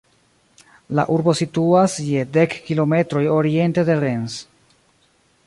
La urbo situas je dek kilometroj oriente de Rennes.